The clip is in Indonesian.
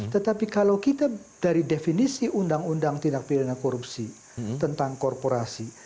tetapi kalau kita dari definisi undang undang tindak pidana korupsi tentang korporasi